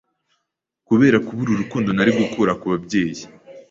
kubera kubura urukundo nari gukura ku babyeyi,